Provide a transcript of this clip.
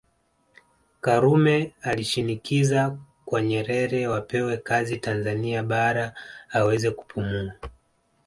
Karume alishinikiza kwa Nyerere wapewe kazi Tanzania Bara aweze kupumua